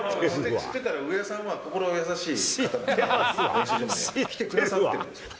知ってたら、上田さんは心優しい方だから、練習場まで来てくださってるんですよ。